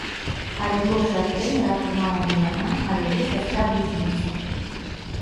Але грошы ад трэнера атрымала не яна, а яе сястра-блізніца.